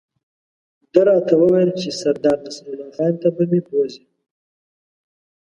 ده راته وویل چې سردار نصرالله خان ته به مې بوزي.